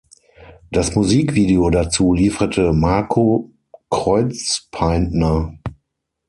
Das Musikvideo dazu lieferte Marco Kreuzpaintner.